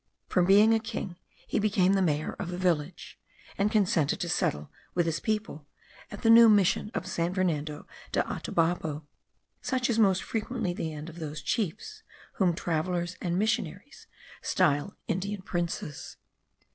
From being a king he became the mayor of a village; and consented to settle with his people at the new mission of San Fernando de Atabapo. Such is most frequently the end of those chiefs whom travellers and missionaries style Indian princes.